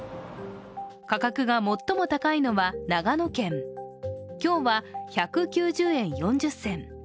価格が最も高いのは長野県、今日は１９０円４０銭。